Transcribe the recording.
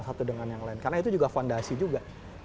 satu dengan yang lain karena itu juga fondasi juga